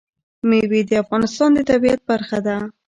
مېوې د افغانستان د طبیعت برخه ده.